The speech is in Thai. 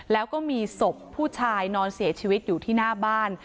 แล้วก็มีศพผู้ชายนอนเสียชีวิตอยู่ที่หน้าบ้าน